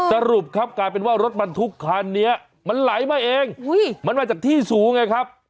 สรุปครับกลายเป็นว่ารถบรรทุกคันนี้มันไหลมาเองมันมาจากที่สูงไงครับ